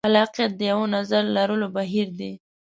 خلاقیت د یوه نظر لرلو بهیر دی.